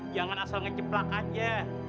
jangan asal ngeceplak aja